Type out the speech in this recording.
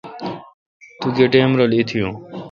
تو گہ ٹیم اؘ ایتیون۔